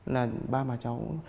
là ba bà cháu